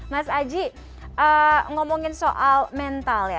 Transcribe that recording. mas aji ngomongin soal mental ya